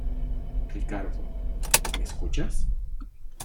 Ricardo, ¿ me escuchas?